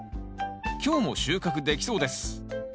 今日も収穫できそうです。